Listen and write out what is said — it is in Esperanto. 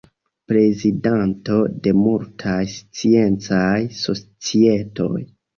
Prezidanto de multaj sciencaj societoj.